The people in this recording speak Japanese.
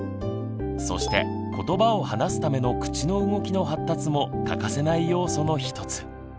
そしてことばを話すための口の動きの発達も欠かせない要素の一つ。